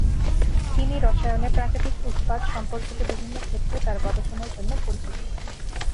তিনি রসায়নে প্রাকৃতিক উৎপাদ সম্পর্কিত বিভিন্ন ক্ষেত্রে তার গবেষণার জন্য পরিচিত।